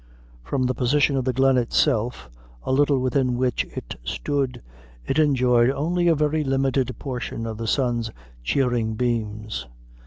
From the position of the glen itself, a little within which it stood, it enjoyed only a very limited portion of the sun's cheering beams.